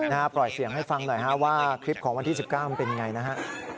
ปล่อยเสียงให้ฟังหน่อยฮะว่าคลิปของวันที่๑๙มันเป็นยังไงนะฮะ